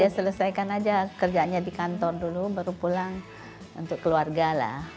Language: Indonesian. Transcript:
ya selesaikan aja kerjanya di kantor dulu baru pulang untuk keluarga lah